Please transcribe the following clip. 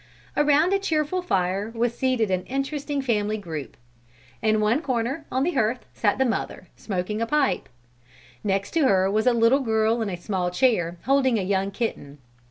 Around a cheerful fire was seated an interesting family group. In one corner, on the hearth, sat the mother, smoking a pipe. Next to her was a little girl, in a small chair, holding a young kitten.